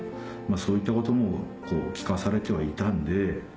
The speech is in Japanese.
そういったことも聞かされてはいたんで。